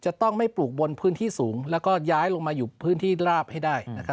จะต้องไม่ปลูกบนพื้นที่สูงแล้วก็ย้ายลงมาอยู่พื้นที่ราบให้ได้